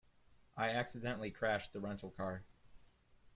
I accidentally crashed the rental car.